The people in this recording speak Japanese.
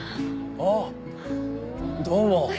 あっどうも。